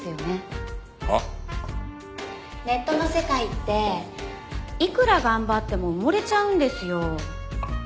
ネットの世界っていくら頑張っても埋もれちゃうんですよ。